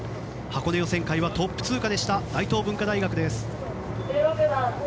箱根予選会はトップ通過でした大東文化大学です。